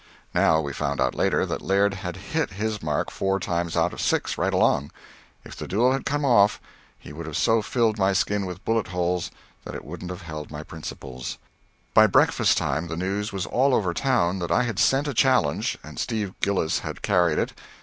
Now, we found out, later, that Laird had hit his mark four times out of six, right along. If the duel had come off, he would have so filled my skin with bullet holes that it wouldn't have held my principles. By breakfast time the news was all over town that I had sent a challenge and Steve Gillis had carried it.